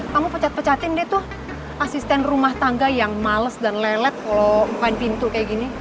kamu pecat pecatin deh tuh asisten rumah tangga yang males dan lelet kalau main pintu kayak gini